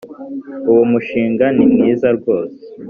Uwo mushinga ni mwiza rwose